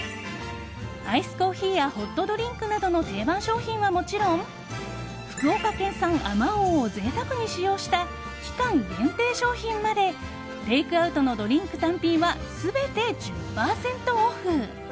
アイスコーヒーやホットドリンクなどの定番商品はもちろん福岡県産あまおうを贅沢に使用した期間限定商品までテイクアウトのドリンク単品は全て１０％オフ！